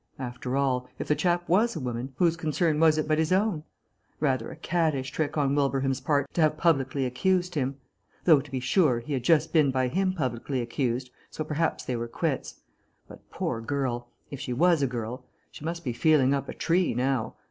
After all, if the chap was a woman, whose concern was it but his own? Rather a caddish trick on Wilbraham's part to have publicly accused him. Though, to be sure, he had just been by him publicly accused, so perhaps they were quits. But, poor girl (if she was a girl), she must be feeling up a tree now.